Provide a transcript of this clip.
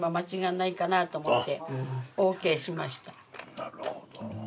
なるほど。